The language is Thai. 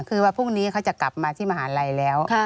คือว่าพรุ่งนี้เขาจะกลับมาที่มหาลัยแล้ว